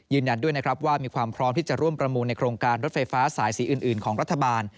ยืนยันด้วยนะครับว่ามีความพร้อมที่จะร่วมประมูลในโครงการรถไฟฟ้าสายสีอื่นของรัฐบาล